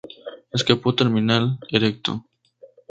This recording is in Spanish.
Escapo terminal, erecto.